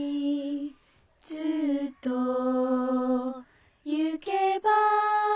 ずっとゆけば